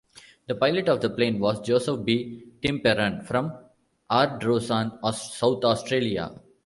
The pilot of the plane was Joseph B. Timperon from Ardrossan, South Australia.